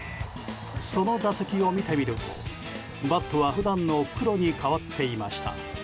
その打席を見てみると、バットは普段の黒に変わっていました。